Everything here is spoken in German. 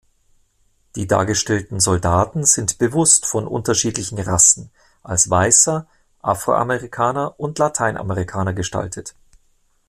Die dargestellten Soldaten sind bewusst von unterschiedlichen „Rassen“, als Weißer, Afroamerikaner, und Lateinamerikaner gestaltet.